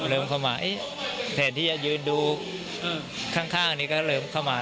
เริ่มเข้ามาแทนที่จะยืนดูข้างนี้ก็เริ่มเข้ามา